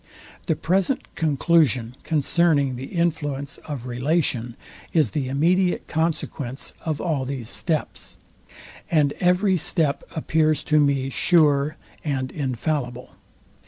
The present conclusion concerning the influence of relation is the immediate consequence of all these steps; and every step appears to me sure end infallible.